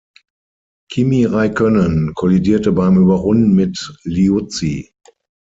Kimi Räikkönen kollidierte beim Überrunden mit Liuzzi.